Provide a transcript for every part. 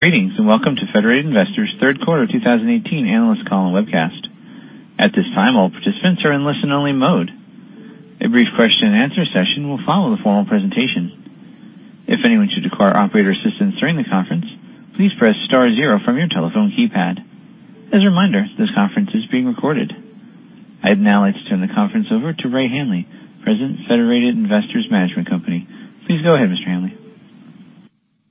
Greetings. Welcome to Federated Investors' third quarter 2018 analyst call and webcast. At this time, all participants are in listen-only mode. A brief question-and-answer session will follow the formal presentation. If anyone should require operator assistance during the conference, please press star zero from your telephone keypad. As a reminder, this conference is being recorded. I'd now like to turn the conference over to Ray Hanley, President of Federated Investors Management Company. Please go ahead, Mr. Hanley.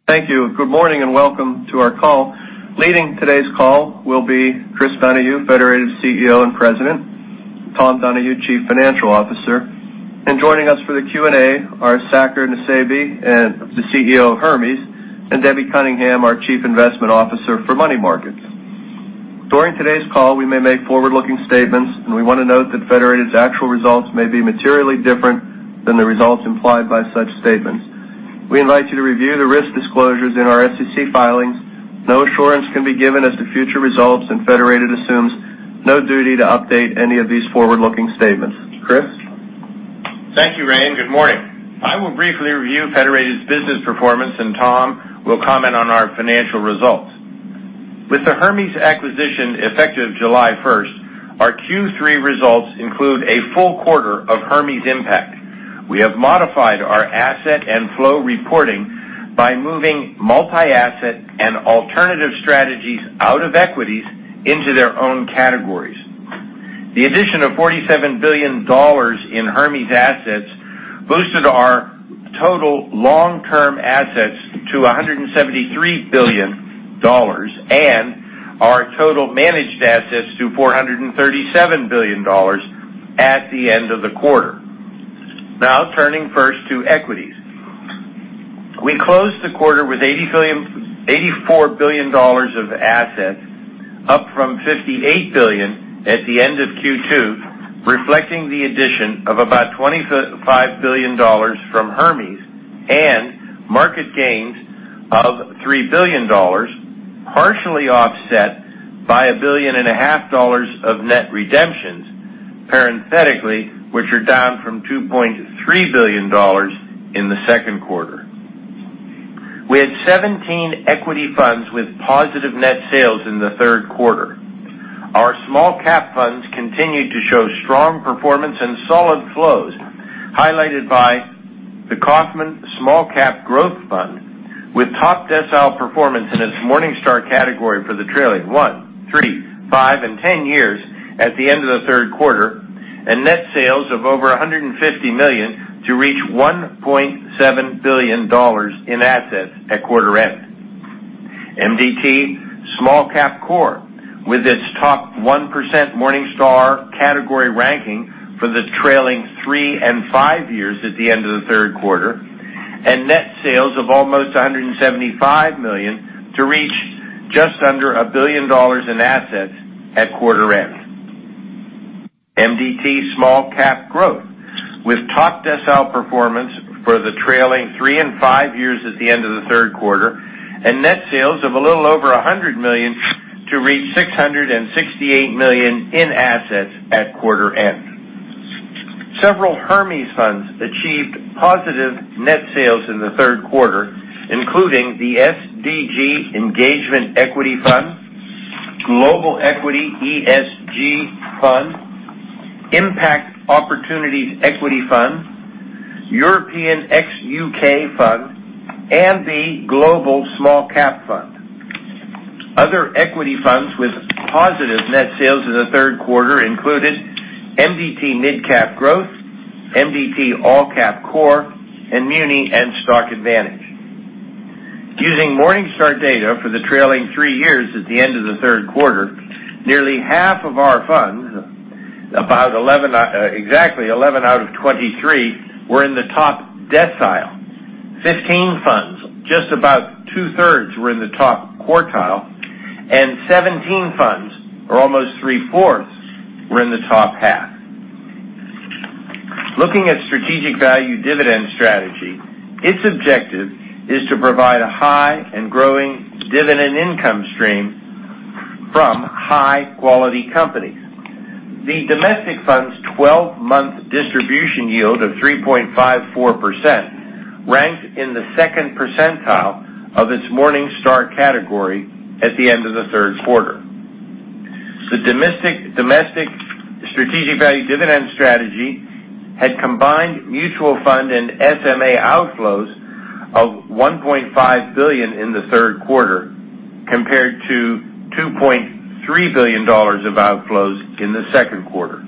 Thank you. Good morning. Welcome to our call. Leading today's call will be J. Christopher Donahue, Federated CEO and President, Thomas R. Donahue, Chief Financial Officer. Joining us for the Q&A are Saker Nusseibeh, the CEO of Hermes, and Deborah Cunningham, our Chief Investment Officer for Money Markets. During today's call, we may make forward-looking statements. We want to note that Federated's actual results may be materially different than the results implied by such statements. We invite you to review the risk disclosures in our SEC filings. No assurance can be given as to future results. Federated assumes no duty to update any of these forward-looking statements. Chris? Thank you, Ray. Good morning. I will briefly review Federated's business performance. Tom will comment on our financial results. With the Hermes acquisition effective July 1st, our Q3 results include a full quarter of Hermes impact. We have modified our asset and flow reporting by moving multi-asset and alternative strategies out of equities into their own categories. The addition of $47 billion in Hermes assets boosted our total long-term assets to $173 billion and our total managed assets to $437 billion at the end of the quarter. Turning first to equities. We closed the quarter with $84 billion of assets, up from $58 billion at the end of Q2, reflecting the addition of about $25 billion from Hermes and market gains of $3 billion, partially offset by a billion and a half dollars of net redemptions, parenthetically, which are down from $2.3 billion in the second quarter. We had 17 equity funds with positive net sales in the third quarter. Our small-cap funds continued to show strong performance and solid flows, highlighted by the Kaufmann Small-Cap Growth Fund, with top-decile performance in its Morningstar category for the trailing one, three, five, and 10 years at the end of the third quarter, and net sales of over $150 million to reach $1.7 billion in assets at quarter end. MDT Small Cap Core, with its top 1% Morningstar category ranking for the trailing three and five years at the end of the third quarter, and net sales of almost $175 million to reach just under $1 billion in assets at quarter end. MDT Small Cap Growth, with top-decile performance for the trailing three and five years at the end of the third quarter, and net sales of a little over $100 million to reach $668 million in assets at quarter end. Several Hermes funds achieved positive net sales in the third quarter, including the SDG Engagement Equity Fund, Global Equity ESG Fund, Impact Opportunities Equity Fund, European ex UK Fund, and the Global Small Cap Fund. Other equity funds with positive net sales in the third quarter included MDT Mid Cap Growth, MDT All-Cap Core, and Muni and Stock Advantage. Using Morningstar data for the trailing three years at the end of the third quarter, nearly half of our funds, exactly 11 out of 23, were in the top decile. 15 funds, just about two-thirds, were in the top quartile, and 17 funds, or almost three-fourths, were in the top half. Looking at Strategic Value Dividend strategy, its objective is to provide a high and growing dividend income stream from high-quality companies. The domestic fund's 12-month distribution yield of 3.54% ranked in the second percentile of its Morningstar category at the end of the third quarter. The domestic Strategic Value Dividend strategy had combined mutual fund and SMA outflows of $1.5 billion in the third quarter, compared to $2.3 billion of outflows in the second quarter.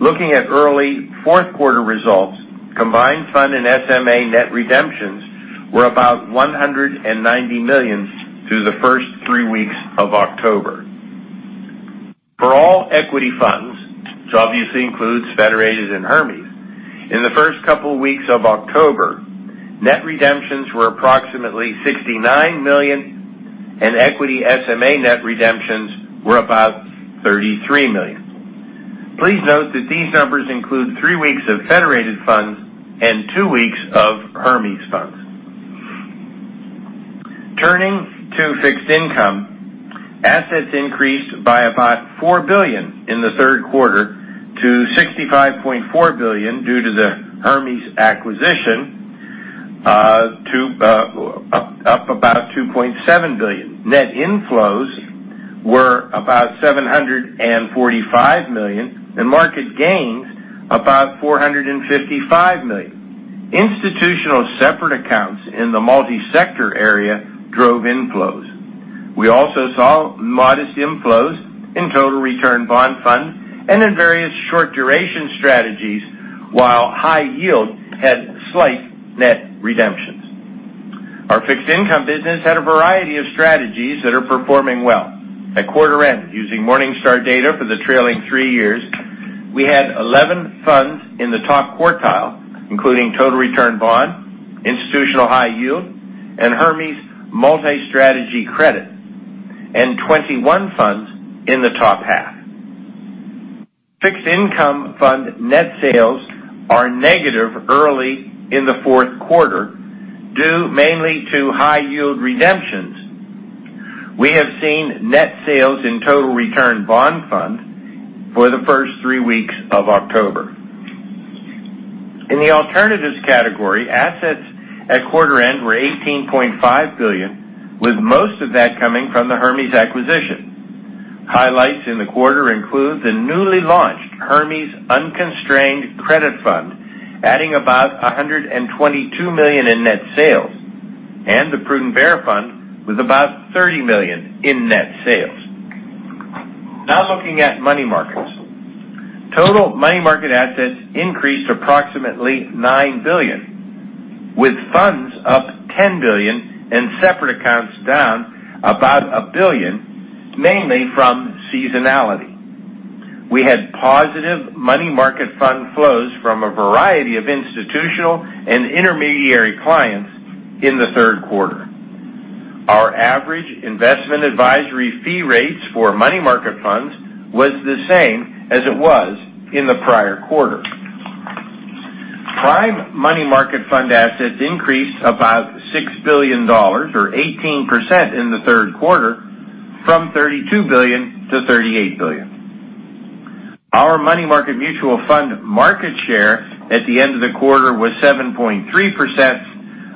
Looking at early fourth quarter results, combined fund and SMA net redemptions were about $190 million through the first three weeks of October. For all equity funds, which obviously includes Federated and Hermes, in the first couple weeks of October, net redemptions were approximately $69 million, and equity SMA net redemptions were about $33 million. Please note that these numbers include three weeks of Federated funds and two weeks of Hermes funds. Turning to fixed income assets increased by about $4 billion in the third quarter to $65.4 billion due to the Hermes acquisition, up about $2.7 billion. Net inflows were about $745 million, and market gains about $455 million. Institutional separate accounts in the multi-sector area drove inflows. We also saw modest inflows in Total Return Bond funds and in various short-duration strategies, while high yield had slight net redemptions. Our fixed income business had a variety of strategies that are performing well. At quarter end, using Morningstar data for the trailing three years, we had 11 funds in the top quartile, including Total Return Bond, Institutional High Yield, and Hermes Multi-Strategy Credit, and 21 funds in the top half. Fixed income fund net sales are negative early in the fourth quarter, due mainly to high-yield redemptions. We have seen net sales in Total Return Bond funds for the first three weeks of October. In the alternatives category, assets at quarter end were $18.5 billion, with most of that coming from the Hermes acquisition. Highlights in the quarter include the newly launched Hermes Unconstrained Credit Fund, adding about $122 million in net sales, and the Prudent Bear Fund with about $30 million in net sales. Now looking at money markets. Total money market assets increased approximately $9 billion, with funds up $10 billion and separate accounts down about a billion, mainly from seasonality. We had positive money market fund flows from a variety of institutional and intermediary clients in the third quarter. Our average investment advisory fee rates for money market funds was the same as it was in the prior quarter. Prime money market fund assets increased about $6 billion, or 18%, in the third quarter, from $32 billion to $38 billion. Our money market mutual fund market share at the end of the quarter was 7.3%,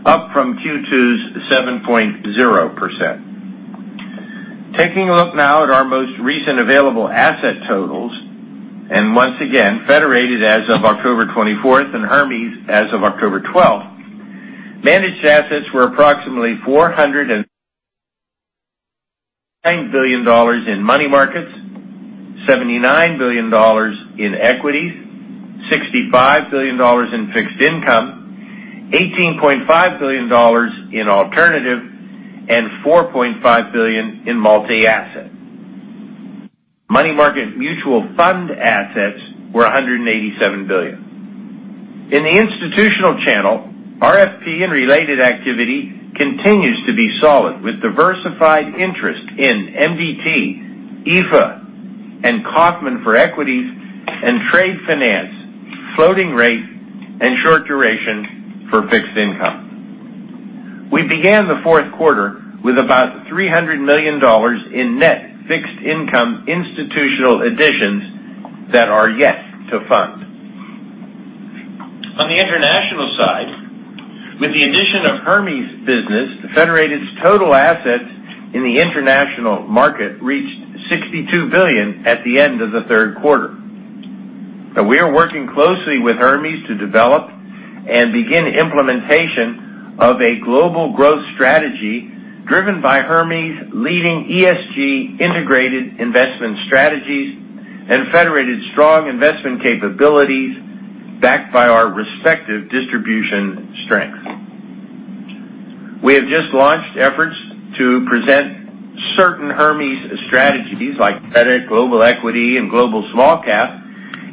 up from Q2's 7.0%. Taking a look now at our most recent available asset totals, Federated as of October 24th and Hermes as of October 12th. Managed assets were approximately $409 billion in money markets, $79 billion in equities, $65 billion in fixed income, $18.5 billion in alternative, and $4.5 billion in multi-asset. Money market mutual fund assets were $187 billion. In the institutional channel, RFP and related activity continues to be solid, with diversified interest in MDT, IFA, and Kaufmann for equities, and trade finance, floating rate, and short duration for fixed income. We began the fourth quarter with about $300 million in net fixed income institutional additions that are yet to fund. On the international side, with the addition of Hermes business, Federated's total assets in the international market reached $62 billion at the end of the third quarter. We are working closely with Hermes to develop and begin implementation of a global growth strategy driven by Hermes' leading ESG integrated investment strategies and Federated's strong investment capabilities backed by our respective distribution strength. We have just launched efforts to present certain Hermes strategies like credit, global equity, and global small cap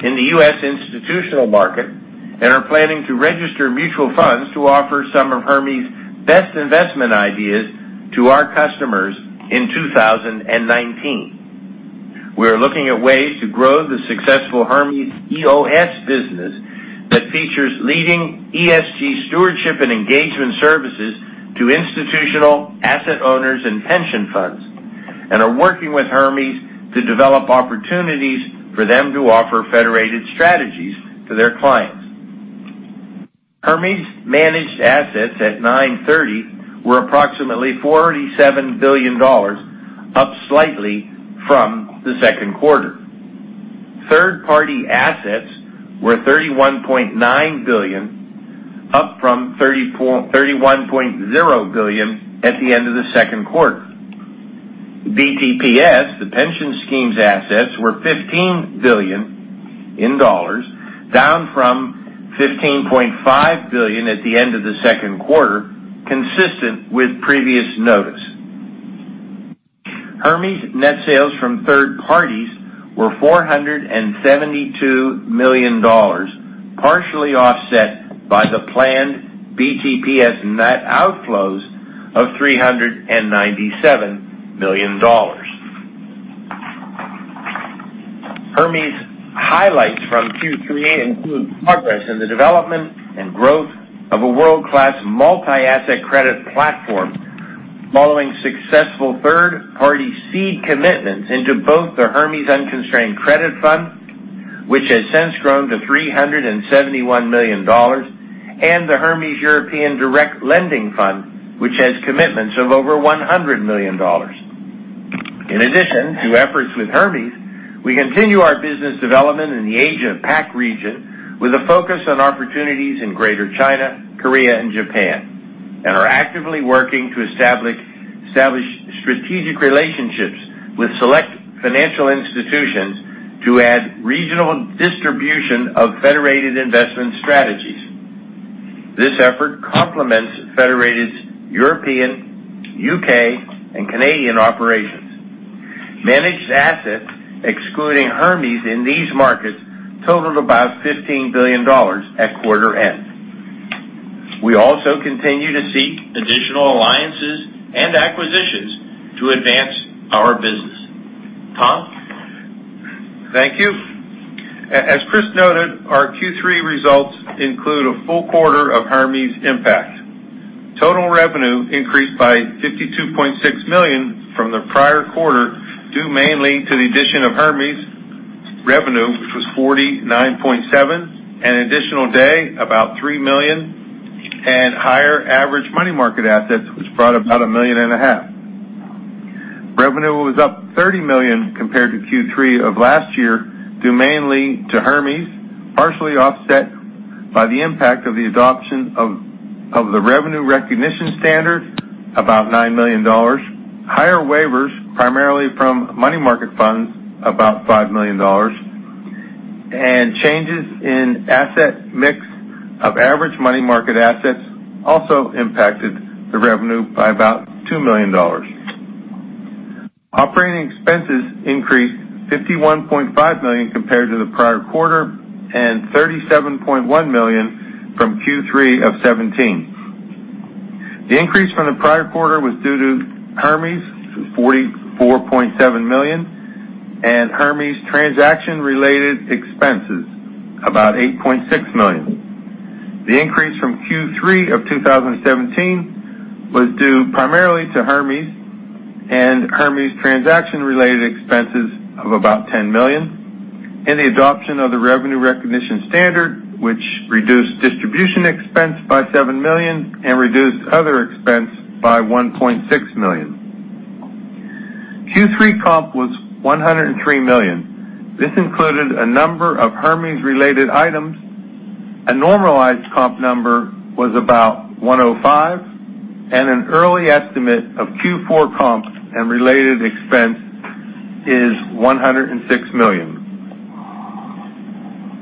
in the U.S. institutional market and are planning to register mutual funds to offer some of Hermes' best investment ideas to our customers in 2019. We are looking at ways to grow the successful Hermes EOS business that features leading ESG stewardship and engagement services to institutional asset owners and pension funds. We are working with Hermes to develop opportunities for them to offer Federated strategies to their clients. Hermes managed assets at 9/30 were approximately $47 billion, up slightly from the second quarter. Third-party assets were $31.9 billion, up from $31.0 billion at the end of the second quarter. BTPS, the pension scheme's assets, were $15 billion, down from $15.5 billion at the end of the second quarter, consistent with previous notice. Hermes net sales from third parties were $472 million, partially offset by the planned BTPS net outflows of $397 million. Hermes highlights from Q3 include progress in the development and growth of a world-class multi-asset credit platform following successful third-party seed commitments into both the Hermes Unconstrained Credit Fund, which has since grown to $371 million, and the Hermes European Direct Lending Fund, which has commitments of over $100 million. In addition to efforts with Hermes, we continue our business development in the Asia-Pacific region with a focus on opportunities in Greater China, Korea, and Japan. We are actively working to establish strategic relationships with select financial institutions to add regional distribution of Federated investment strategies. This effort complements Federated's European, U.K., and Canadian operations. Managed assets, excluding Hermes in these markets, totaled about $15 billion at quarter end. We also continue to seek additional alliances and acquisitions to advance our business. Tom? Thank you. As Chris noted, our Q3 results include a full quarter of Hermes impact. Total revenue increased by $52.6 million from the prior quarter, due mainly to the addition of Hermes revenue, which was $49.7 million, an additional day, about $3 million, and higher average money market assets, which brought about a million and a half dollars. Revenue was up $30 million compared to Q3 of last year, due mainly to Hermes, partially offset by the impact of the adoption of the revenue recognition standard, about $9 million, higher waivers, primarily from money market funds, about $5 million, and changes in asset mix of average money market assets also impacted the revenue by about $2 million. Operating expenses increased $51.5 million compared to the prior quarter, and $37.1 million from Q3 of 2017. The increase from the prior quarter was due to Hermes, $44.7 million, and Hermes transaction-related expenses, about $8.6 million. The increase from Q3 of 2017 was due primarily to Hermes and Hermes transaction-related expenses of about $10 million, and the adoption of the revenue recognition standard, which reduced distribution expense by $7 million and reduced other expense by $1.6 million. Q3 comp was $103 million. This included a number of Hermes-related items. A normalized comp number was about $105 million, and an early estimate of Q4 comps and related expense is $106 million.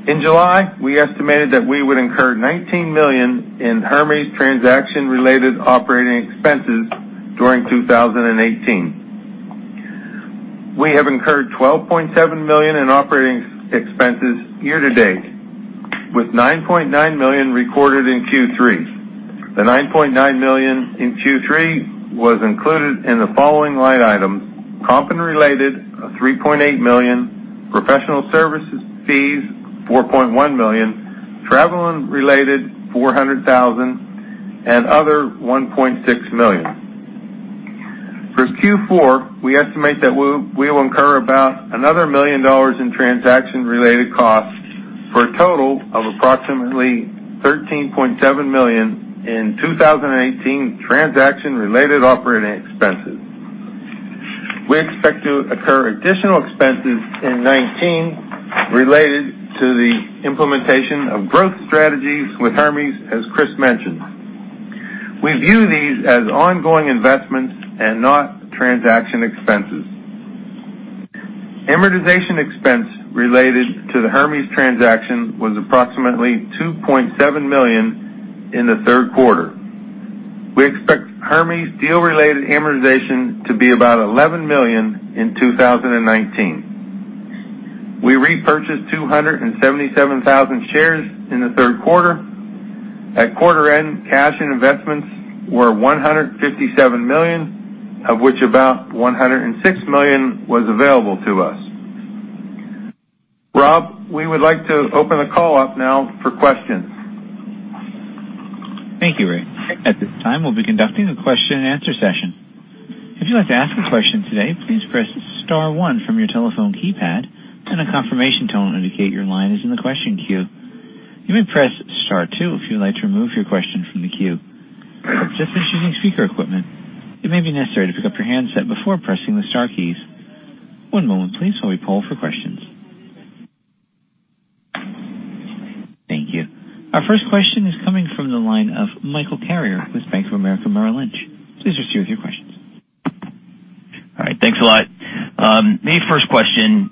In July, we estimated that we would incur $19 million in Hermes transaction-related operating expenses during 2018. We have incurred $12.7 million in operating expenses year to date, with $9.9 million recorded in Q3. The $9.9 million in Q3 was included in the following line items: comp unrelated, $3.8 million; professional services fees, $4.1 million; travel unrelated, $400,000; and other, $1.6 million. For Q4, we estimate that we will incur about another $1 million in transaction-related costs for a total of approximately $13.7 million in 2018 transaction-related operating expenses. We expect to incur additional expenses in 2019 related to the implementation of growth strategies with Hermes, as Chris mentioned. We view these as ongoing investments and not transaction expenses. Amortization expense related to the Hermes transaction was approximately $2.7 million in the third quarter. We expect Hermes deal-related amortization to be about $11 million in 2019. We repurchased 277,000 shares in the third quarter. At quarter end, cash and investments were $157 million, of which about $106 million was available to us. Rob, we would like to open the call up now for questions. Thank you, Ray. At this time, we'll be conducting a question and answer session. If you'd like to ask a question today, please press *1 from your telephone keypad and a confirmation tone will indicate your line is in the question queue. You may press *2 if you'd like to remove your question from the queue. If you're just using speaker equipment, it may be necessary to pick up your handset before pressing the star keys. One moment please while we poll for questions. Thank you. Our first question is coming from the line of Michael Carrier with Bank of America Merrill Lynch. Please proceed with your questions. All right. Thanks a lot. My first question,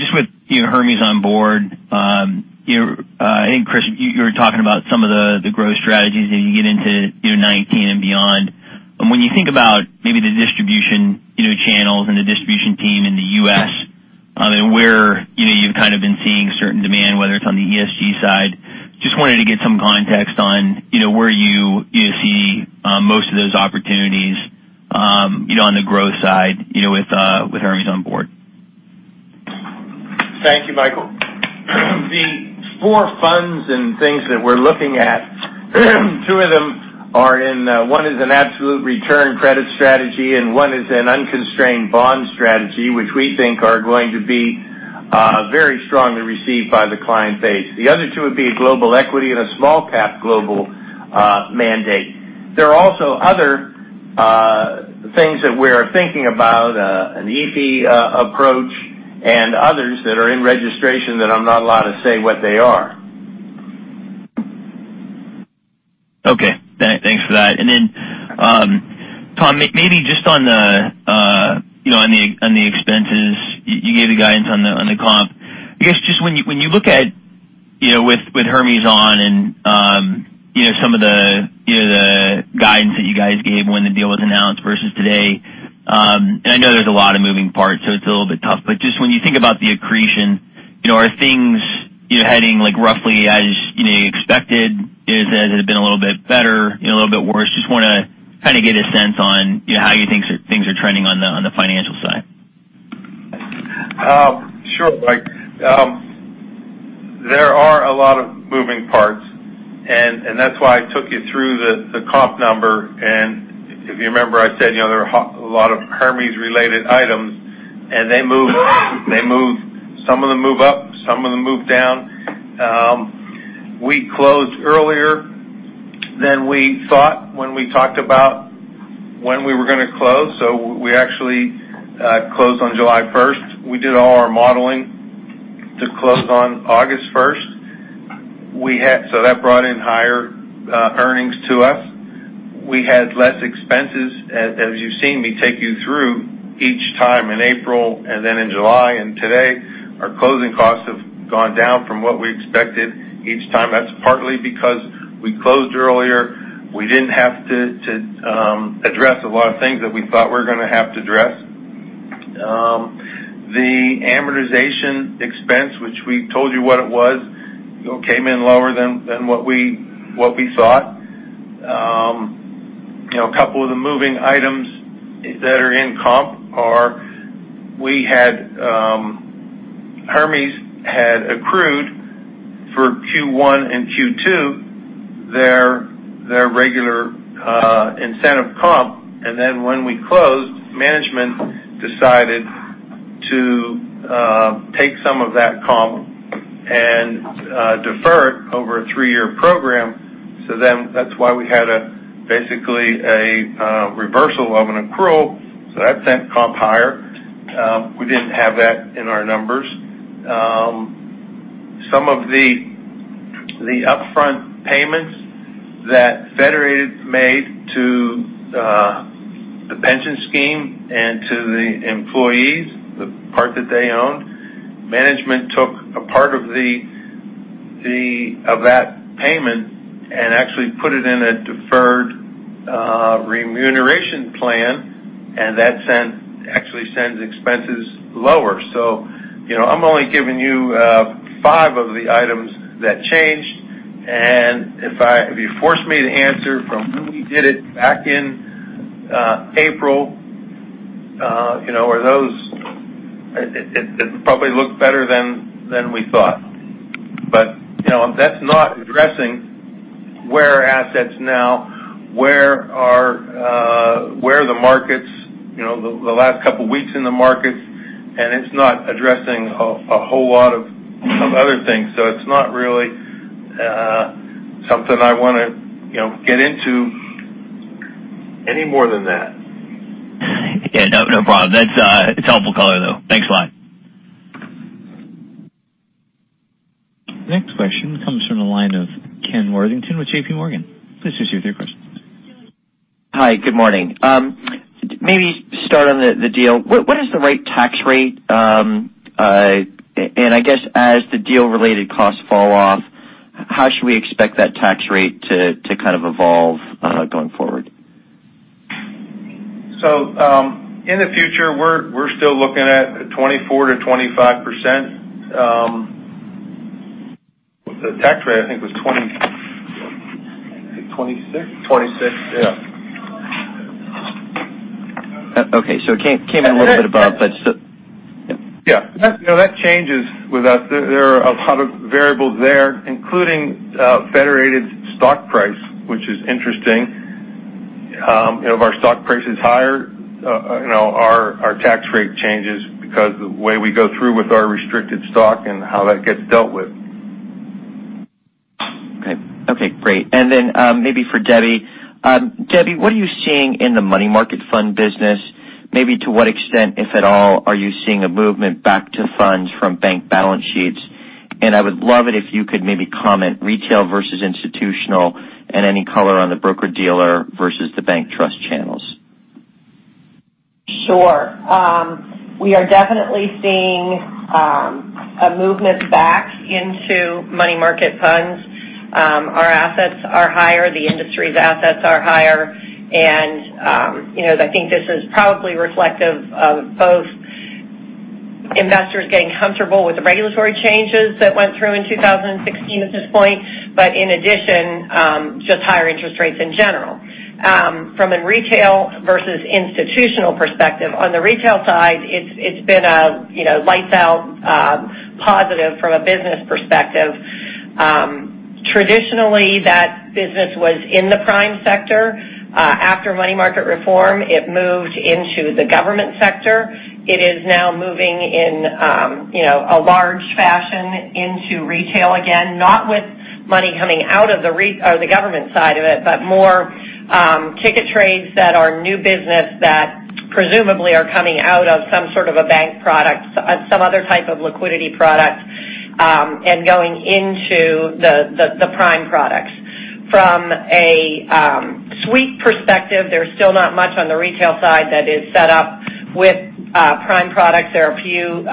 just with Hermes on board, Chris, you were talking about some of the growth strategies as you get into 2019 and beyond. When you think about maybe the distribution channels and the distribution team in the U.S., where you've kind of been seeing certain demand whether on the ESG side. Just wanted to get some context on where you see most of those opportunities on the growth side with Hermes on board. Thank you, Michael. The four funds and things that we're looking at, two of them are in, one is an absolute return credit strategy, and one is an unconstrained bond strategy, which we think are going to be very strongly received by the client base. The other two would be a global equity and a small cap global mandate. There are also other things that we're thinking about, an EP approach and others that are in registration that I'm not allowed to say what they are. Okay. Thanks for that. Tom, maybe just on the expenses, you gave the guidance on the comp. I guess just when you look at with Hermes on and some of the guidance that you guys gave when the deal was announced versus today. I know there's a lot of moving parts, so it's a little bit tough, but just when you think about the accretion, are things heading roughly as expected? Has it been a little bit better, a little bit worse? Just want to kind of get a sense on how you think things are trending on the financial side. Sure, Mike. There are a lot of moving parts, and that's why I took you through the comp number. If you remember, I said there are a lot of Hermes related items, and some of them move up, some of them move down. We closed earlier than we thought when we talked about when we were going to close. We actually closed on July 1st. We did all our modeling to close on August 1st. That brought in higher earnings to us. We had less expenses, as you've seen me take you through each time in April and then in July and today. Our closing costs have gone down from what we expected each time. That's partly because we closed earlier. We didn't have to address a lot of things that we thought we were going to have to address. The amortization expense, which we told you what it was, came in lower than what we thought. A couple of the moving items that are in comp are Hermes had accrued for Q1 and Q2 their regular incentive comp, and then when we closed, management decided to take some of that comp and defer it over a three-year program. That's why we had basically a reversal of an accrual. That sent comp higher. We didn't have that in our numbers. Some of the upfront payments that Federated made to the pension scheme and to the employees, the part that they owned. Management took a part of that payment and actually put it in a deferred remuneration plan, and that actually sends expenses lower. I'm only giving you five of the items that changed, and if you force me to answer from when we did it back in April, it probably looked better than we thought. That's not addressing where are assets now, where are the markets, the last couple of weeks in the markets, and it's not addressing a whole lot of other things. It's not really something I want to get into any more than that. Yeah. No problem. It's helpful color, though. Thanks a lot. Next question comes from the line of Kenneth Worthington with JPMorgan. Please proceed with your question. Hi, good morning. Maybe start on the deal. What is the right tax rate? I guess as the deal related costs fall off, how should we expect that tax rate to kind of evolve going forward? In the future, we're still looking at 24%-25%. The tax rate, I think was 20% 26%? 26. Yeah. Okay. It came a little bit above. Yeah. That changes with us. There are a lot of variables there, including Federated's stock price, which is interesting. If our stock price is higher our tax rate changes because the way we go through with our restricted stock and how that gets dealt with. Okay, great. Then maybe for Debbie. Debbie, what are you seeing in the money market fund business? Maybe to what extent, if at all, are you seeing a movement back to funds from bank balance sheets? I would love it if you could maybe comment retail versus institutional and any color on the broker dealer versus the bank trust channels. Sure. We are definitely seeing a movement back into money market funds. Our assets are higher, the industry's assets are higher, and I think this is probably reflective of both investors getting comfortable with the regulatory changes that went through in 2016 at this point. In addition, just higher interest rates in general. From a retail versus institutional perspective, on the retail side, it's been a lights out positive from a business perspective. Traditionally, that business was in the prime sector. After money market reform, it moved into the government sector. It is now moving in a large fashion into retail, again, not with money coming out of the government side of it, but more ticket trades that are new business that presumably are coming out of some sort of a bank product, some other type of liquidity product, and going into the prime products. From a sweep perspective, there's still not much on the retail side that is set up with prime products. There are a few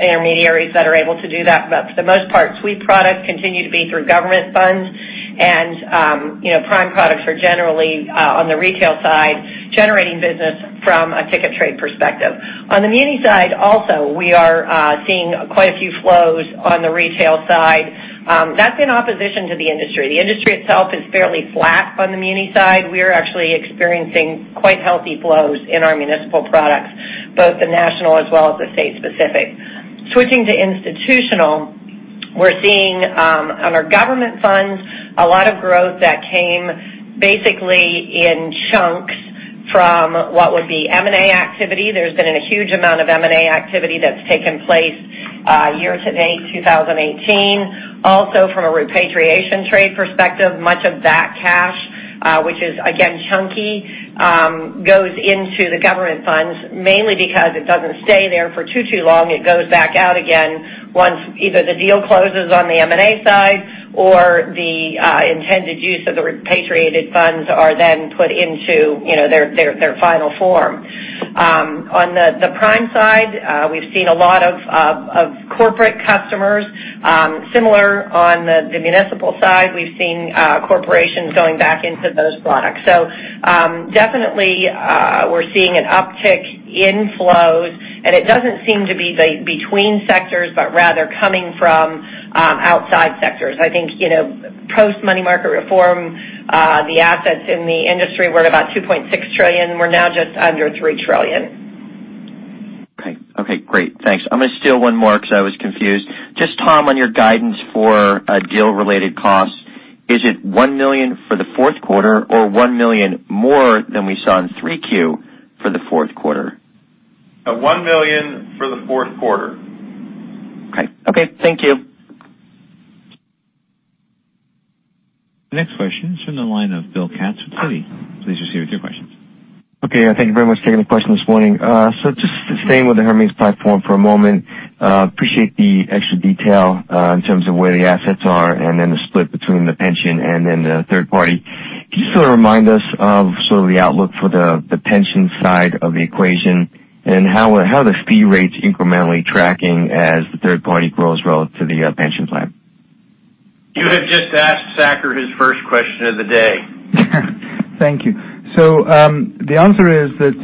intermediaries that are able to do that. For the most part, sweep products continue to be through government funds. Prime products are generally on the retail side, generating business from a ticket trade perspective. On the muni side, also, we are seeing quite a few flows on the retail side. That's in opposition to the industry. The industry itself is fairly flat on the muni side. We are actually experiencing quite healthy flows in our municipal products, both the national as well as the state-specific. Switching to institutional, we're seeing, on our government funds, a lot of growth that came basically in chunks from what would be M&A activity. There's been a huge amount of M&A activity that's taken place year-to-date 2018. Also, from a repatriation trade perspective, much of that cash, which is again chunky, goes into the government funds, mainly because it doesn't stay there for too long. It goes back out again once either the deal closes on the M&A side or the intended use of the repatriated funds are then put into their final form. On the prime side, we've seen a lot of corporate customers. Similar on the municipal side, we've seen corporations going back into those products. Definitely, we're seeing an uptick in flows, and it doesn't seem to be between sectors, but rather coming from outside sectors. I think, post money market reform, the assets in the industry were at about $2.6 trillion. We're now just under $3 trillion. Okay, great. Thanks. I'm going to steal one more because I was confused. Just Tom, on your guidance for deal-related costs, is it $1 million for the fourth quarter or $1 million more than we saw in 3Q for the fourth quarter? $1 million for the fourth quarter. Okay. Thank you. The next question is from the line of William Katz with Citi. Please proceed with your questions. Okay, thank you very much. Taking the question this morning. Just staying with the Hermes platform for a moment. Appreciate the extra detail in terms of where the assets are and then the split between the pension and then the third party. Can you remind us of the outlook for the pension side of the equation and how the fee rate's incrementally tracking as the third party grows relative to the pension plan? You have just asked Saker his first question of the day. Thank you. The answer is that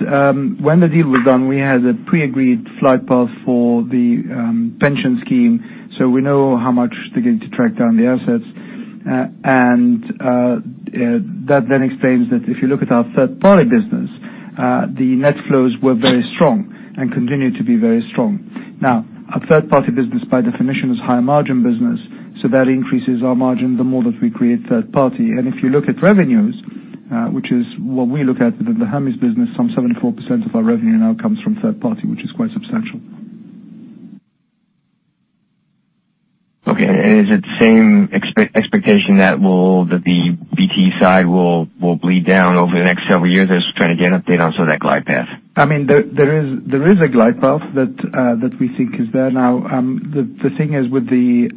when the deal was done, we had a pre-agreed glide path for the pension scheme. We know how much to track down the assets. That then explains that if you look at our third-party business, the net flows were very strong and continue to be very strong. Our third-party business, by definition, is high margin business, so that increases our margin the more that we create third party. If you look at revenues, which is what we look at within the Hermes business, some 74% of our revenue now comes from third party, which is quite substantial. Okay. Is it same expectation that the BT side will bleed down over the next several years? I was trying to get an update on some of that glide path. There is a glide path that we think is there now. The thing is with the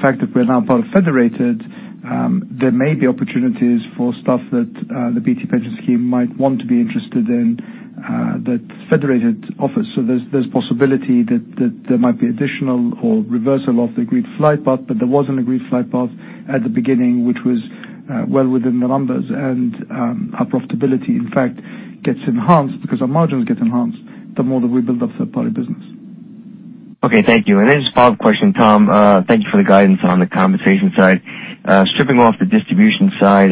fact that we're now part of Federated, there may be opportunities for stuff that the BT Pension Scheme might want to be interested in that Federated offers. There's possibility that there might be additional or reversal of the agreed glide path, but there was an agreed glide path at the beginning, which was well within the numbers. Our profitability, in fact, gets enhanced because our margins get enhanced the more that we build up third-party business. Okay, thank you. Just a follow-up question, Tom. Thank you for the guidance on the compensation side. Stripping off the distribution side,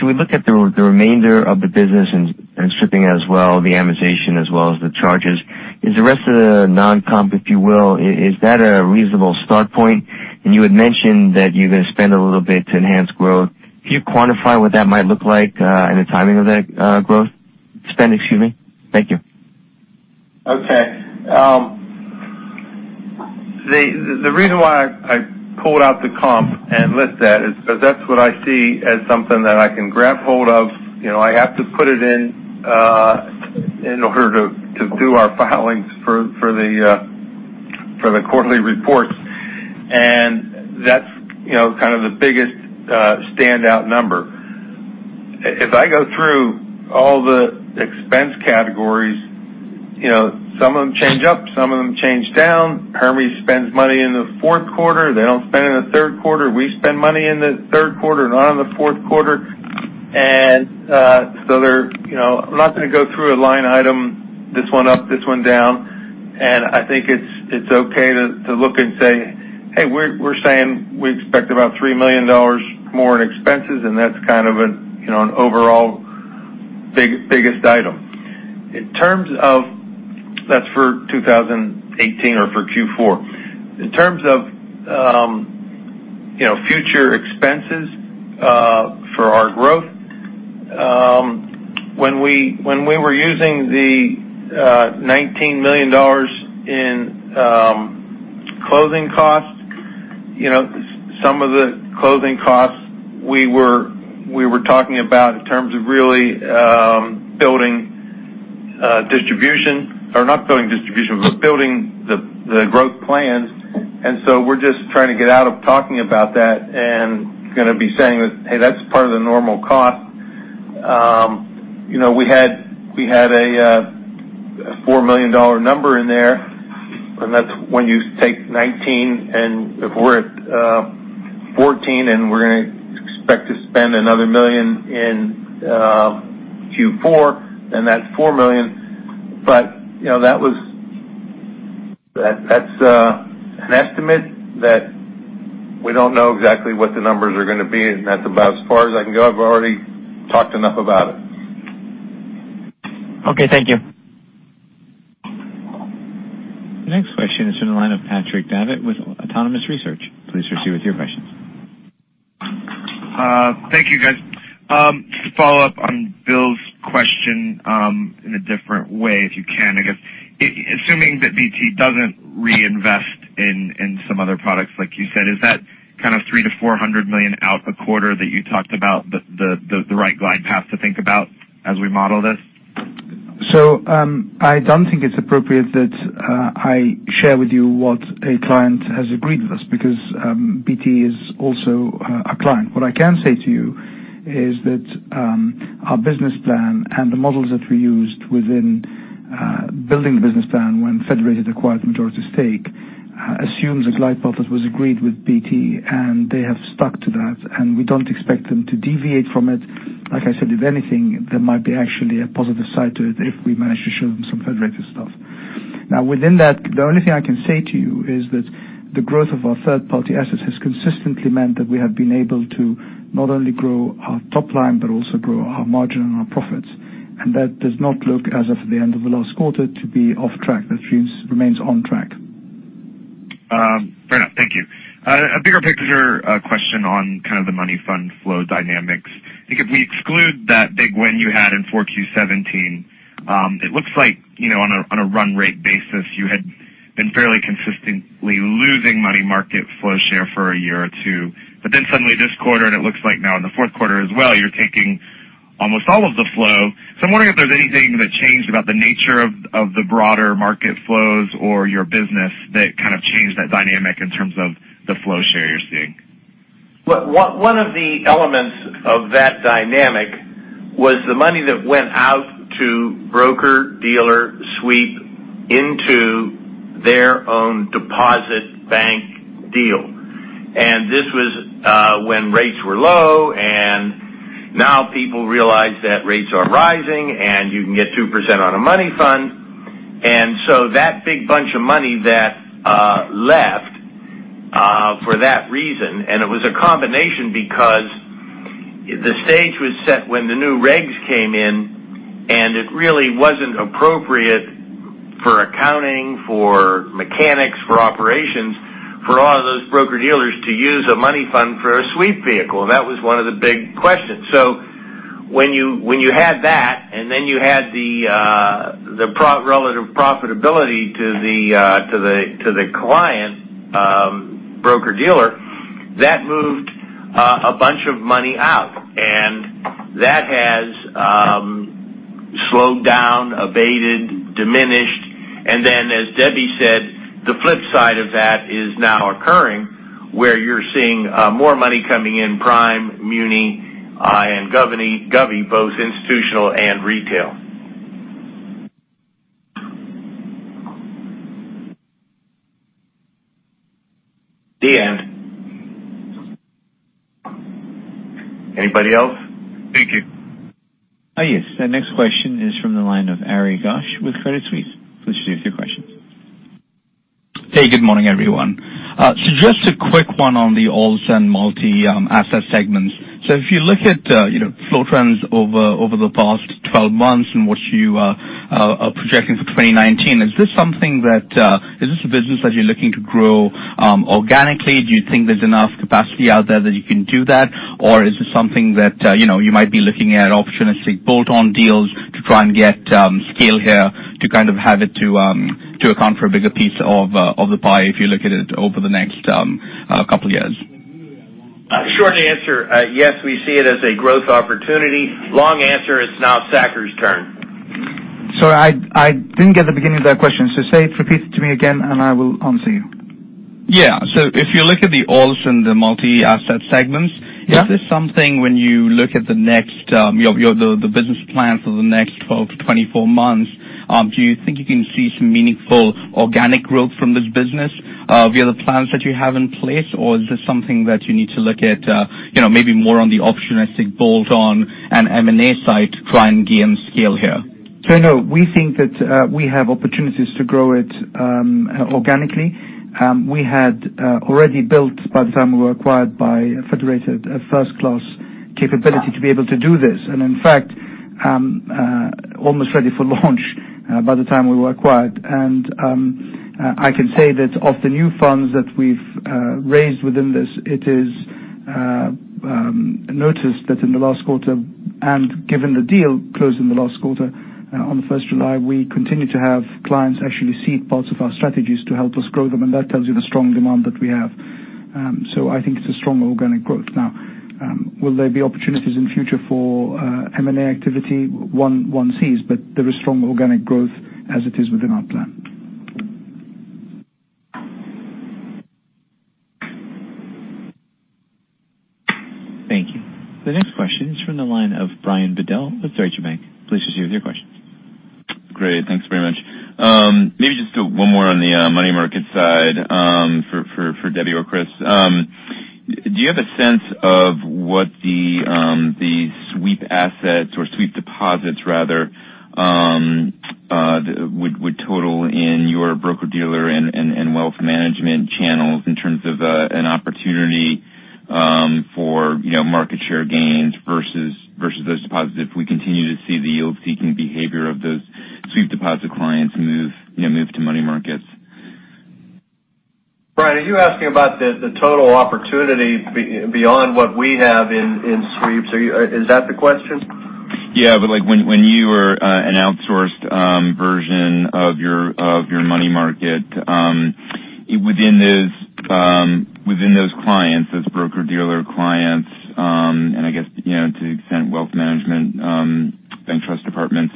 should we look at the remainder of the business and stripping out as well the amortization as well as the charges? Is the rest of the non-comp, if you will, is that a reasonable start point? You had mentioned that you're going to spend a little bit to enhance growth. Can you quantify what that might look like, and the timing of that growth spend? Excuse me. Thank you. Okay. The reason why I pulled out the comp and list that is because that's what I see as something that I can grab hold of. I have to put it in in order to do our filings for the quarterly reports. That's kind of the biggest standout number. If I go through all the expense categories. Some of them change up, some of them change down. Hermes spends money in the fourth quarter. They don't spend in the third quarter. We spend money in the third quarter, not in the fourth quarter. I'm not going to go through a line item, this one up, this one down. I think it's okay to look and say, "Hey, we're saying we expect about $3 million more in expenses," and that's kind of an overall biggest item. That's for 2018 or for Q4. In terms of future expenses for our growth, when we were using the $19 million in closing costs, some of the closing costs we were talking about in terms of really building distribution, or not building distribution, but building the growth plans. We're just trying to get out of talking about that and going to be saying that, "Hey, that's part of the normal cost." We had a $4 million number in there, and that's when you take 19 and if we're at 14 and we're going to expect to spend another million in Q4, then that's $4 million. That's an estimate that we don't know exactly what the numbers are going to be, and that's about as far as I can go. I've already talked enough about it. Okay, thank you. Next question is in the line of Patrick Davitt with Autonomous Research. Please proceed with your questions. Thank you, guys. Just to follow up on Bill's question in a different way, if you can, I guess. Assuming that BT doesn't reinvest in some other products like you said, is that kind of $300 million-$400 million out the quarter that you talked about the right glide path to think about as we model this? I don't think it's appropriate that I share with you what a client has agreed with us because BT is also a client. What I can say to you is that our business plan and the models that we used within building the business plan when Federated acquired the majority stake assumes a glide path that was agreed with BT, and they have stuck to that, and we don't expect them to deviate from it. Like I said, if anything, there might be actually a positive side to it if we manage to show them some Federated stuff. Within that, the only thing I can say to you is that the growth of our third-party assets has consistently meant that we have been able to not only grow our top line but also grow our margin and our profits. That does not look as if at the end of the last quarter to be off track. That remains on track. Fair enough. Thank you. A bigger picture question on kind of the money fund flow dynamics. I think if we exclude that big win you had in Q4 2017, it looks like on a run rate basis, you had been fairly consistently losing money market flow share for a year or two. Suddenly this quarter, and it looks like now in the fourth quarter as well, you're taking almost all of the flow. I'm wondering if there's anything that changed about the nature of the broader market flows or your business that kind of changed that dynamic in terms of the flow share you're seeing. One of the elements of that dynamic was the money that went out to broker-dealer sweep into their own deposit bank deal. This was when rates were low, and now people realize that rates are rising, and you can get 2% on a money fund. That big bunch of money that left for that reason, it was a combination because the stage was set when the new regs came in, it really wasn't appropriate for accounting, for mechanics, for operations, for all of those broker-dealers to use a money fund for a sweep vehicle. That was one of the big questions. When you had that, you had the relative profitability to the client broker-dealer, that moved a bunch of money out. That has slowed down, abated, diminished. As Debbie said, the flip side of that is now occurring where you're seeing more money coming in prime, muni, and gov, both institutional and retail. The end. Anybody else? Thank you. Yes. The next question is from the line of Ari Ghosh with Credit Suisse. Please proceed with your question. Hey, good morning, everyone. Just a quick one on the alts and multi-asset segments. If you look at flow trends over the past 12 months and what you are projecting for 2019, is this a business that you're looking to grow organically? Do you think there's enough capacity out there that you can do that? Is this something that you might be looking at opportunistic bolt-on deals to try and get scale here to kind of have it to account for a bigger piece of the pie if you look at it over the next couple of years? Short answer, yes, we see it as a growth opportunity. Long answer, it's now Saker's turn. Sorry, I didn't get the beginning of that question. Repeat it to me again and I will answer you. Yeah. If you look at the alts and the multi-asset segments Yeah Is this something when you look at the business plans for the next 12 to 24 months, do you think you can see some meaningful organic growth from this business via the plans that you have in place? Or is this something that you need to look at maybe more on the opportunistic bolt-on and M&A side to try and gain scale here? No, we think that we have opportunities to grow it organically. We had already built, by the time we were acquired by Federated, a first-class capability to be able to do this. In fact, almost ready for launch by the time we were acquired. I can say that of the new funds that we've raised within this, it is noticed that in the last quarter and given the deal closed in the last quarter, on the 1st of July, we continue to have clients actually seed parts of our strategies to help us grow them, and that tells you the strong demand that we have. I think it's a strong organic growth. Now, will there be opportunities in future for M&A activity? One sees, there is strong organic growth as it is within our plan. Thank you. The next question is from the line of Brian Bedell with Deutsche Bank. Please proceed with your question. Great. Thanks very much. Maybe just one more on the money market side for Debbie or Chris. Do you have a sense of what the sweep assets or sweep deposits, rather, would total in your broker-dealer and wealth management channels in terms of an opportunity for market share gains versus those deposits if we continue to see the yield-seeking behavior of those sweep deposit clients move to money markets? Brian, are you asking about the total opportunity beyond what we have in sweeps? Is that the question? Yeah, when you or an outsourced version of your money market within those clients, those broker-dealer clients, I guess, to the extent wealth management, bank trust departments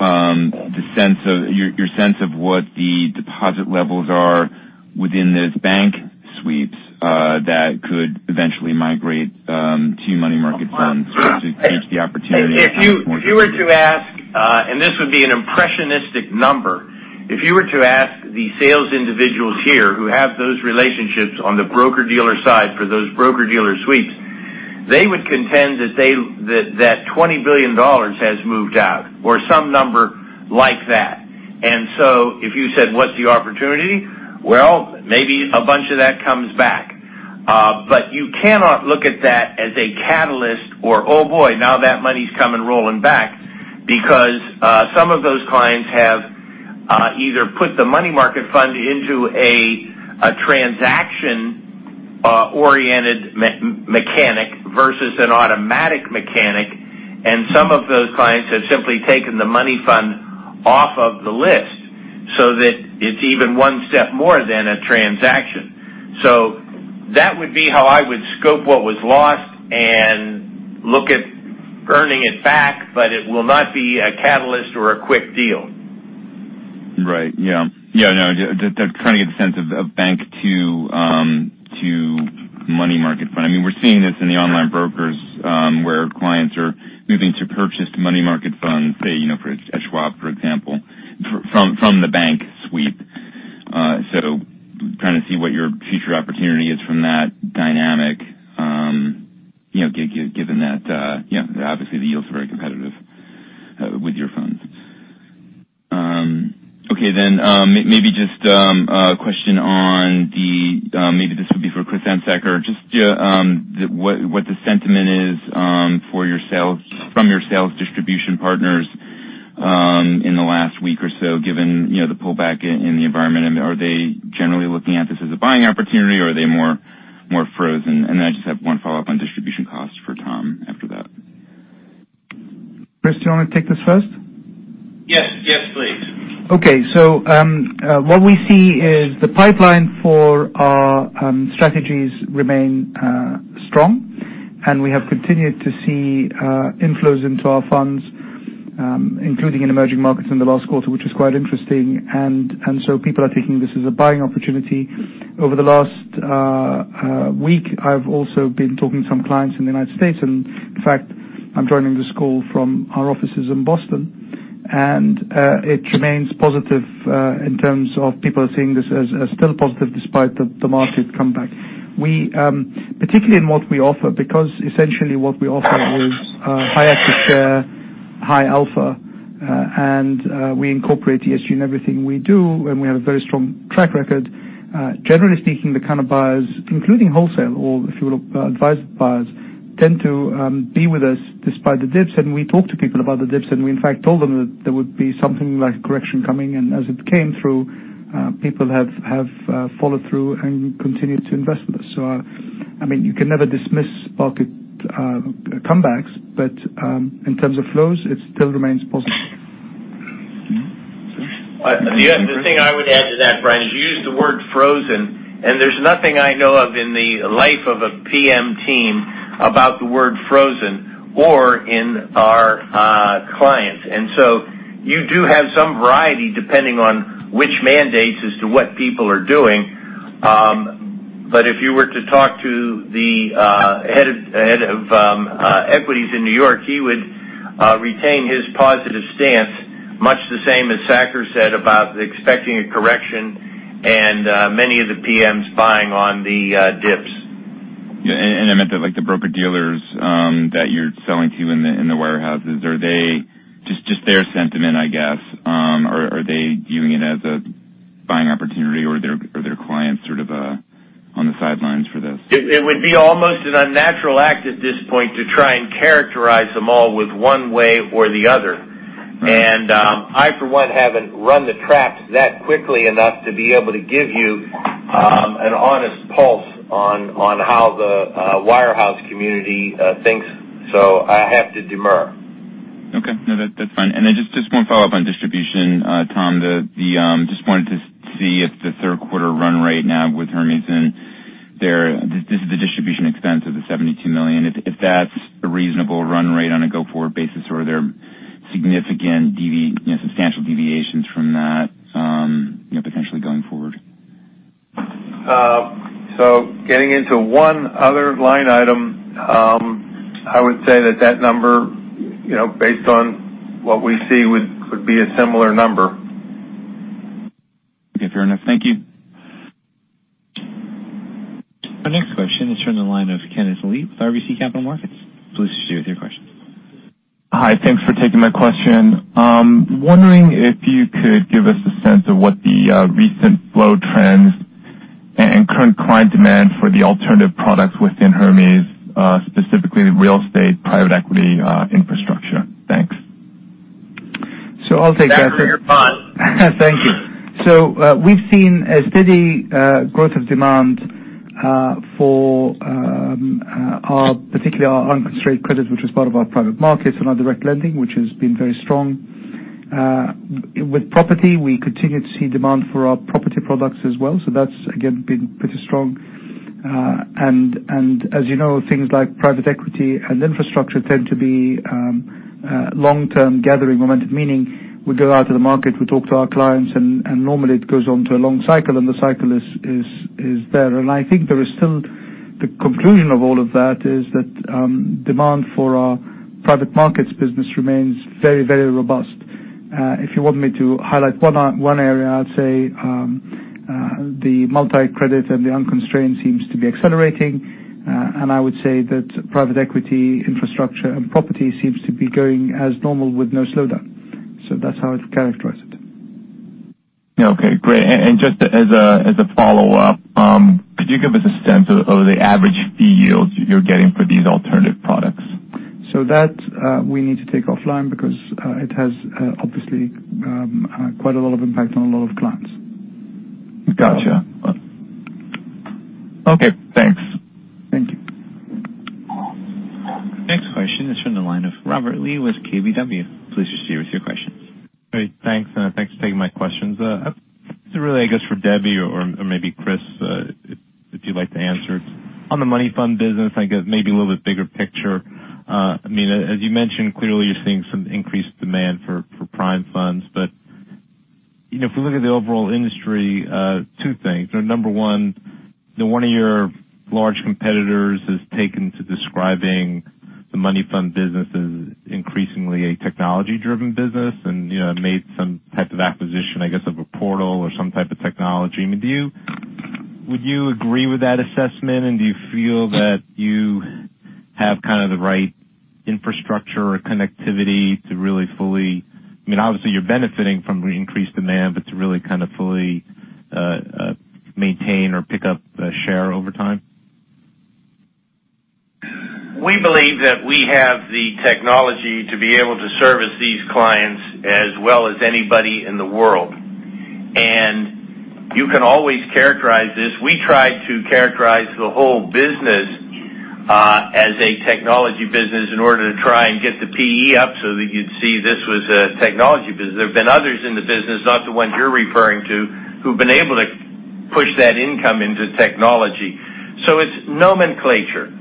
your sense of what the deposit levels are within those bank sweeps that could eventually migrate to money market funds to take the opportunity at some point? If you were to ask, this would be an impressionistic number, if you were to ask the sales individuals here who have those relationships on the broker-dealer side for those broker-dealer sweeps, they would contend that $20 billion has moved out, or some number like that. If you said, "What's the opportunity?" Well, maybe a bunch of that comes back. You cannot look at that as a catalyst or, oh, boy, now that money's coming rolling back because some of those clients have either put the money market fund into a transaction-oriented mechanic versus an automatic mechanic, some of those clients have simply taken the money fund off of the list so that it's even one step more than a transaction. That would be how I would scope what was lost and look at earning it back, it will not be a catalyst or a quick deal. Right. Yeah. Just trying to get a sense of bank to money market fund. We are seeing this in the online brokers where clients are moving to purchase money market funds, say, for Schwab, for example, from the bank sweep. trying to see what your future opportunity is from that dynamic given that, obviously, the yields are very competitive with your funds. maybe just a question on the maybe this would be for Chris Anzacker, just what the sentiment is from your sales distribution partners in the last week or so, given the pullback in the environment. Are they generally looking at this as a buying opportunity, or are they more frozen? I just have one follow-up on distribution costs for Tom after that. Chris, do you want to take this first? Yes, please. Okay. what we see is the pipeline for our strategies remain strong, and we have continued to see inflows into our funds including in emerging markets in the last quarter, which is quite interesting. people are taking this as a buying opportunity. Over the last week, I have also been talking to some clients in the United States, and in fact, I am joining this call from our offices in Boston. it remains positive in terms of people are seeing this as still positive despite the market comeback. Particularly in what we offer because essentially what we offer is high active share, high alpha, and we incorporate ESG in everything we do, and we have a very strong track record. Generally speaking, the kind of buyers, including wholesale or if you will, advisory buyers, tend to be with us despite the dips. We talk to people about the dips. We, in fact, told them that there would be something like a correction coming. As it came through people have followed through and continued to invest with us. You can never dismiss market comebacks. In terms of flows, it still remains positive. The thing I would add to that, Brian, is you used the word frozen, and there's nothing I know of in the life of a PM team about the word frozen or in our clients. You do have some variety depending on which mandates as to what people are doing. If you were to talk to the head of equities in New York, he would retain his positive stance, much the same as Saker said about expecting a correction and many of the PMs buying on the dips. Yeah. I meant that the broker-dealers that you're selling to in the warehouses. Just their sentiment, I guess? Are they viewing it as a buying opportunity, or are their clients sort of on the sidelines for this? It would be almost an unnatural act at this point to try and characterize them all with one way or the other. Right. I, for one, haven't run the traps that quickly enough to be able to give you an honest pulse on how the wirehouse community thinks. I have to demur. Okay. No, that's fine. Just one follow-up on distribution, Tom. Just wanted to see if the third quarter run rate now with Hermes there. This is the distribution expense of the $72 million. If that's a reasonable run rate on a go-forward basis, or are there significant, substantial deviations from that potentially going forward? Getting into one other line item. I would say that number based on what we see would be a similar number. Okay. Fair enough. Thank you. Our next question is from the line of Kenneth Lee with RBC Capital Markets. Please share with your question. Hi. Thanks for taking my question. Wondering if you could give us a sense of what the recent flow trends and current client demand for the alternative products within Hermes, specifically the real estate private equity infrastructure. Thanks. I'll take that. That's for you, Paan. Thank you. We've seen a steady growth of demand for particularly our unconstrained credit, which is part of our private markets and our direct lending, which has been very strong. With property, we continue to see demand for our property products as well. That's again, been pretty strong. As you know, things like private equity and infrastructure tend to be long-term gathering momentum, meaning we go out to the market, we talk to our clients, and normally it goes on to a long cycle, and the cycle is there. I think there is still the conclusion of all of that is that demand for our private markets business remains very, very robust. If you want me to highlight one area, I'd say the multi-credit and the unconstrained seems to be accelerating. I would say that private equity infrastructure and property seems to be going as normal with no slowdown. That's how I'd characterize it. Okay, great. Just as a follow-up, could you give us a sense of the average fee yields you're getting for these alternative products? That we need to take offline because it has obviously quite a lot of impact on a lot of clients. Gotcha. Okay, thanks. Thank you. Next question is from the line of Robert Lee with KBW. Please share us your questions. Great. Thanks. Thanks for taking my questions. This is really, I guess, for Debbie or maybe Chris if you'd like to answer. On the money fund business, I guess maybe a little bit bigger picture. As you mentioned, clearly you're seeing some increased demand for prime funds. If we look at the overall industry, two things. Number one of your large competitors has taken to describing the money fund business as increasingly a technology-driven business and made some type of acquisition, I guess, of a portal or some type of technology. Would you agree with that assessment, and do you feel that you have kind of the right infrastructure or connectivity to really Obviously, you're benefiting from the increased demand, but to really kind of fully maintain or pick up share over time? We believe that we have the technology to be able to service these clients as well as anybody in the world. You can always characterize this. We try to characterize the whole business as a technology business in order to try and get the PE up so that you'd see this was a technology business. There have been others in the business, not the ones you're referring to, who've been able to push that income into technology. It's nomenclature.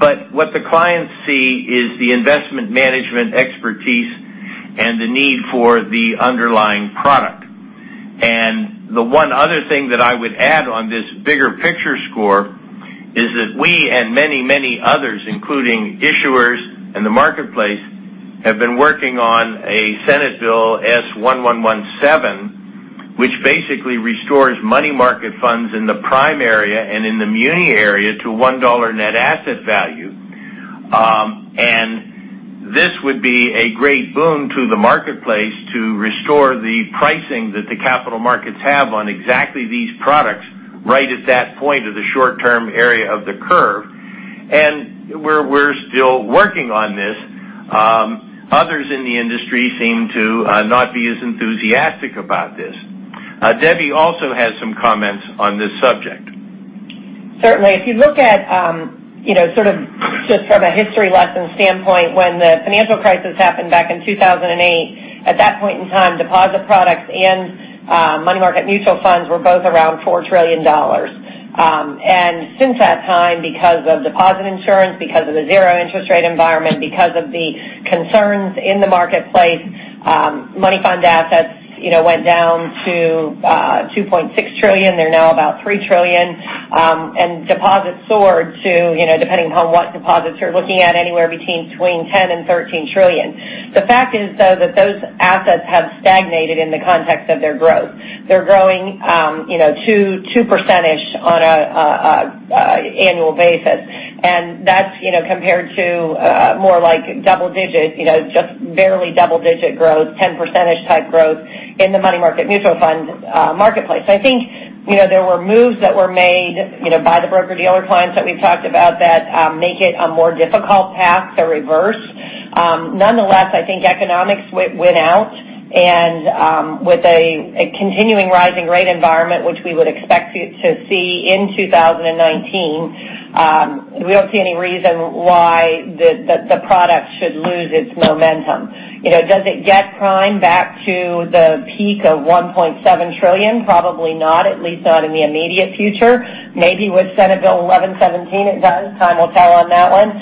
What the clients see is the investment management expertise and the need for the underlying product. The one other thing that I would add on this bigger picture score is that we and many, many others, including issuers and the marketplace, have been working on a Senate bill S. 1117, which basically restores money market funds in the prime area and in the muni area to $1 net asset value. This would be a great boon to the marketplace to restore the pricing that the capital markets have on exactly these products right at that point of the short-term area of the curve. We're still working on this. Others in the industry seem to not be as enthusiastic about this. Debbie also has some comments on this subject. Certainly. If you look at sort of just from a history lesson standpoint, when the financial crisis happened back in 2008, at that point in time, deposit products and money market mutual funds were both around $4 trillion. Since that time, because of deposit insurance, because of the zero interest rate environment, because of the concerns in the marketplace, money fund assets went down to $2.6 trillion. They're now about $3 trillion. Deposits soared to, depending on what deposits you're looking at, anywhere between $10 trillion and $13 trillion. The fact is, though, that those assets have stagnated in the context of their growth. They're growing 2% on an annual basis. That's compared to more like double-digit, just barely double-digit growth, 10% type growth in the money market mutual fund marketplace. I think there were moves that were made by the broker-dealer clients that we've talked about that make it a more difficult path to reverse. Nonetheless, I think economics went out, and with a continuing rising rate environment, which we would expect to see in 2019, we don't see any reason why the product should lose its momentum. Does it get Prime back to the peak of $1.7 trillion? Probably not, at least not in the immediate future. Maybe with Senate Bill S. 1117, it does. Time will tell on that one.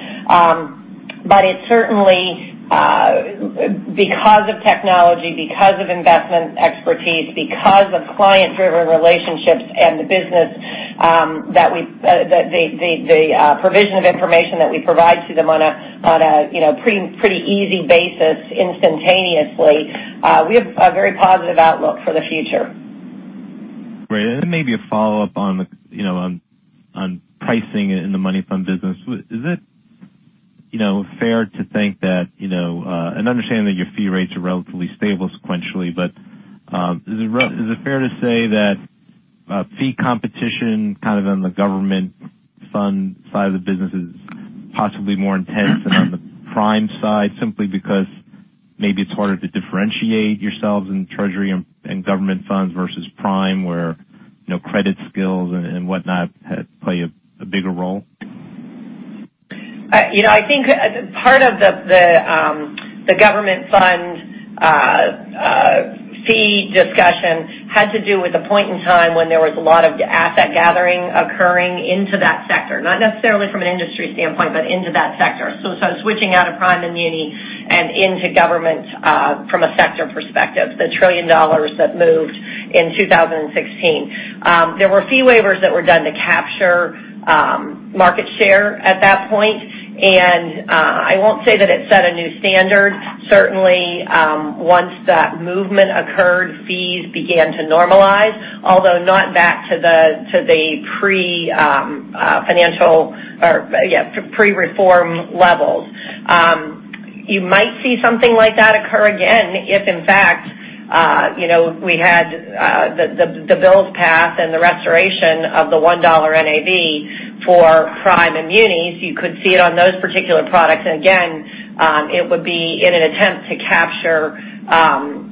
It certainly because of technology, because of investment expertise, because of client-driven relationships and the business that the provision of information that we provide to them on a pretty easy basis instantaneously, we have a very positive outlook for the future. Great. Maybe a follow-up on pricing in the money fund business. Is it fair to think that, understanding that your fee rates are relatively stable sequentially, is it fair to say that fee competition on the government fund side of the business is possibly more intense than on the Prime side, simply because maybe it's harder to differentiate yourselves in treasury and government funds versus Prime where credit skills and whatnot play a bigger role? I think part of the government fund fee discussion had to do with a point in time when there was a lot of asset gathering occurring into that sector. Not necessarily from an industry standpoint, but into that sector. Switching out of Prime and muni and into government from a sector perspective, the $1 trillion that moved in 2016. There were fee waivers that were done to capture market share at that point, I won't say that it set a new standard. Certainly, once that movement occurred, fees began to normalize, although not back to the pre-reform levels. You might see something like that occur again if, in fact, we had the bills passed and the restoration of the $1 NAV for Prime and munis. You could see it on those particular products. Again, it would be in an attempt to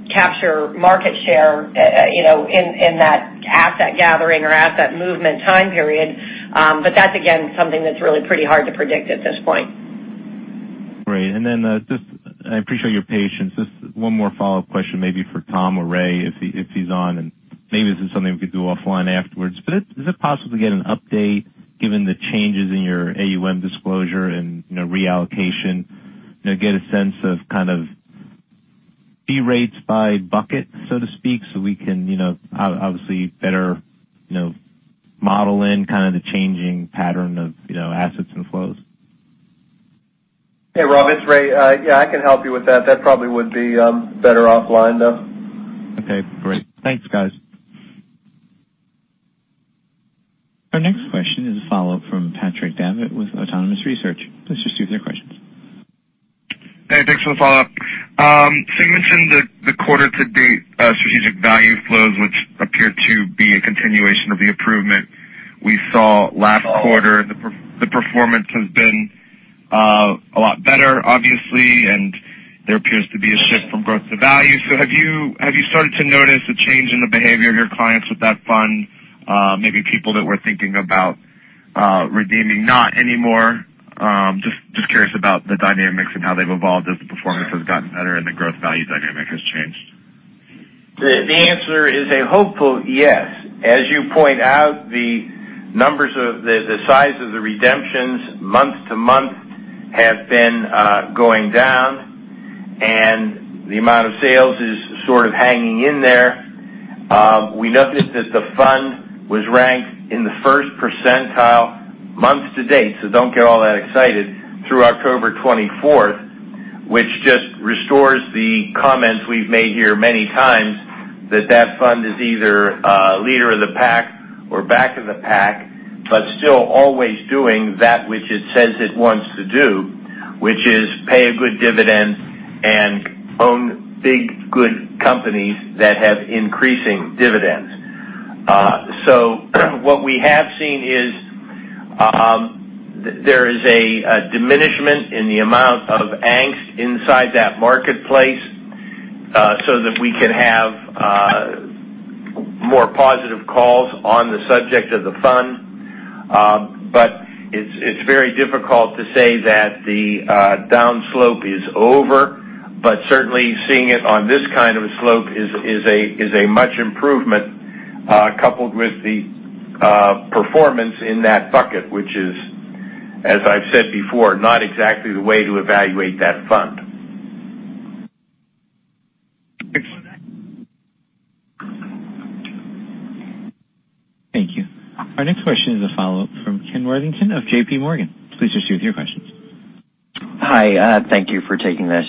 capture market share in that asset gathering or asset movement time period. That's, again, something that's really pretty hard to predict at this point. Great. Just, I appreciate your patience. Just one more follow-up question maybe for Tom or Ray if he's on, maybe this is something we could do offline afterwards. Is it possible to get an update given the changes in your AUM disclosure and reallocation, get a sense of fee rates by bucket so to speak, so we can obviously better model in the changing pattern of assets and flows? Hey, Rob, it's Ray. Yeah, I can help you with that. That probably would be better off line, though. Okay, great. Thanks, guys. Our next question is a follow-up from Patrick Davitt with Autonomous Research. Please proceed with your questions. Hey, thanks for the follow-up. You mentioned the quarter-to-date Strategic Value flows which appear to be a continuation of the improvement we saw last quarter. The performance has been a lot better, obviously, and there appears to be a shift from growth to value. Have you started to notice a change in the behavior of your clients with that fund? Maybe people that were thinking about redeeming, not anymore. Just curious about the dynamics and how they've evolved as the performance has gotten better and the growth-value dynamic has changed. The answer is a hopeful yes. As you point out, the size of the redemptions month-to-month have been going down, and the amount of sales is sort of hanging in there. We noted that the fund was ranked in the 1st percentile month to date, so don't get all that excited through October 24th, which just restores the comments we've made here many times that that fund is either leader of the pack or back of the pack, but still always doing that which it says it wants to do, which is pay a good dividend and own big, good companies that have increasing dividends. What we have seen is there is a diminishment in the amount of angst inside that marketplace so that we can have more positive calls on the subject of the fund. It's very difficult to say that the downslope is over. Certainly, seeing it on this kind of a slope is a much improvement coupled with the performance in that bucket which is As I've said before, not exactly the way to evaluate that fund. Thanks. Thank you. Our next question is a follow-up from Kenneth Worthington of JPMorgan. Please proceed with your questions. Hi. Thank you for taking this.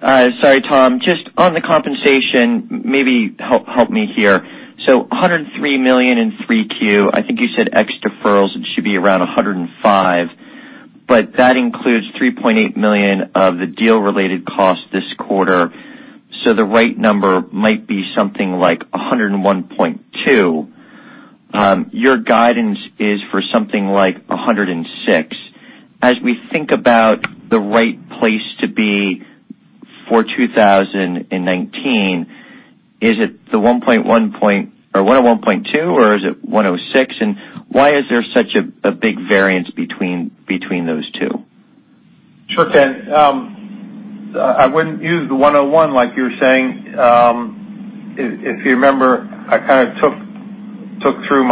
Sorry, Tom, just on the compensation, maybe help me here. $103 million in Q3, I think you said ex deferrals it should be around $105, but that includes $3.8 million of the deal-related costs this quarter. The right number might be something like $101.2. Your guidance is for something like $106. As we think about the right place to be for 2019, is it the $101.2 or is it $106? Why is there such a big variance between those two? Sure, Ken. I wouldn't use the $101 like you were saying. If you remember, I kind of took through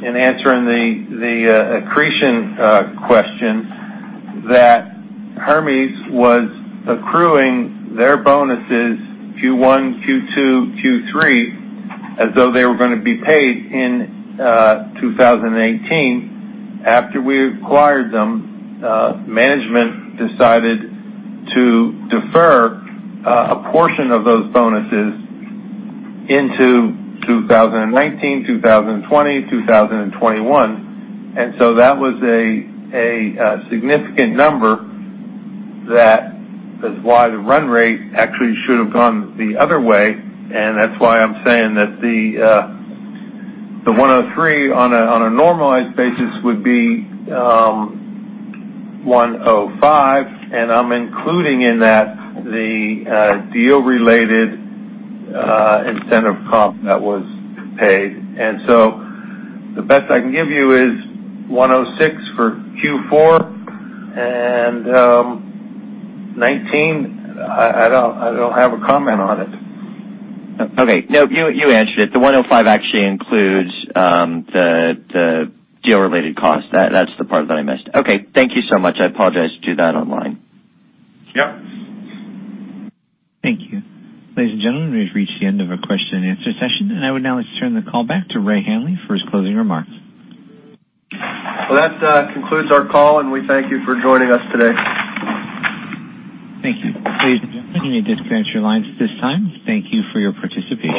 in answering the accretion question, that Hermes was accruing their bonuses Q1, Q2, Q3, as though they were going to be paid in 2018. After we acquired them, management decided to defer a portion of those bonuses into 2019, 2020, 2021. That was a significant number. That is why the run rate actually should have gone the other way, and that's why I'm saying that the $103 on a normalized basis would be $105, and I'm including in that the deal-related incentive comp that was paid. The best I can give you is $106 for Q4, and 2019, I don't have a comment on it. Okay. No, you answered it. The $105 actually includes the deal-related cost. That's the part that I missed. Okay. Thank you so much. I apologize to that online. Yep. Thank you. Ladies and gentlemen, we've reached the end of our question and answer session, and I would now like to turn the call back to Ray Hanley for his closing remarks. Well, that concludes our call. We thank you for joining us today. Thank you. Ladies and gentlemen, you may disconnect your lines at this time. Thank you for your participation.